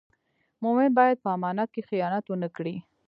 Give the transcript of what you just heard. مومن باید په امانت کې خیانت و نه کړي.